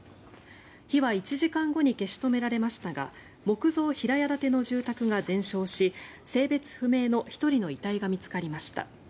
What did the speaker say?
火は１時間後に消し止められましたが木造平屋建ての住宅が全焼し性別不明の１人の遺体が見つかりました。